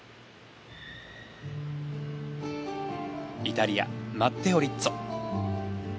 イタリアマッテオ・リッツォ。